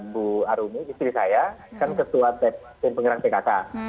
bu arumi istri saya kan ketua tim penggerang tkk